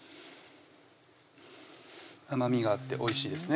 甘みがあっておいしいですね